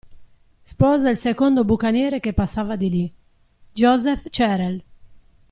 Sposa il secondo bucaniere che passava di lì: Joseph Cherel.